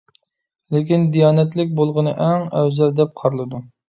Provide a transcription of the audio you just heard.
لېكىن دىيانەتلىك بولغىنى ئەڭ ئەۋزەل دەپ قارىلىدۇ.